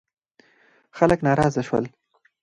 خلک ناراضه شول.